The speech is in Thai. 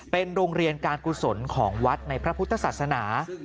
เป็นโรงเรียนการกุศลของวัดในพระพุทธศาสนา